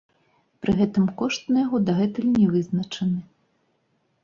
Пры гэтым кошт на яго дагэтуль не вызначаныя.